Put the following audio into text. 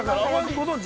ご存じ？